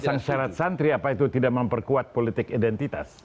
pasang syarat santri apa itu tidak memperkuat politik identitas